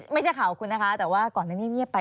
ไม่ใช่ข่าวคุณนะคะแต่ว่าก่อนอันนี้เงียบไป